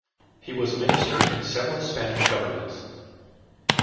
He was minister in several Spanish governments.